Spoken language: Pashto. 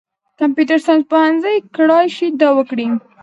کمپیوټر ساینس پوهنځۍ کړای شي دا وکړي.